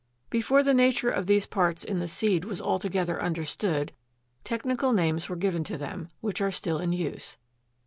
Before the nature of these parts in the seed was altogether understood, technical names were given to them, which are still in use.